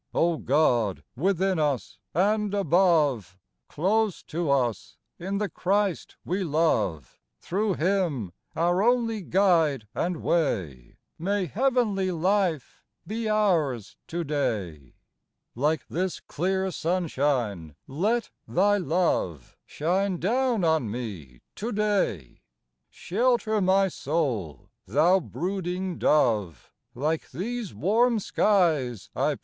O God, within us and above, Close to us in the Christ we love, Through Him, our only Guide and Way, May heavenly life be ours to day ! Like this clear sunshine, let Thy love Shine down on me to day ! Shelter my soul, thou brooding Dove, Like these warm skies, I pray